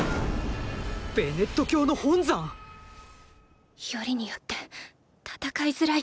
ベネット教の本山⁉よりによって戦いづらい所を。